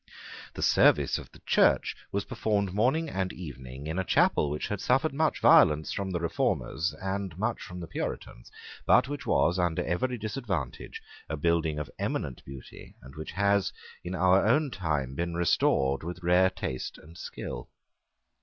The service of the Church was performed morning and evening in a chapel which had suffered much violence from the Reformers, and much from the Puritans, but which was, under every disadvantage, a building of eminent beauty, and which has, in our own time, been restored with rare taste and skill.